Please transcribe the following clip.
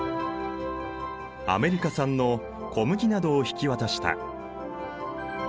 アメリカ産の小麦などを引き渡した。